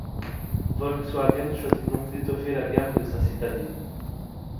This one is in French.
Volkswagen choisit donc d'étoffer la gamme de sa citadine.